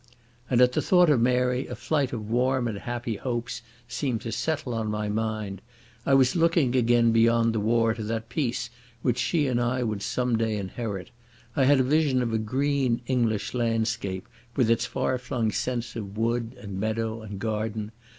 And at the thought of Mary a flight of warm and happy hopes seemed to settle on my mind. I was looking again beyond the war to that peace which she and I would some day inherit. I had a vision of a green English landscape, with its far flung scents of wood and meadow and garden....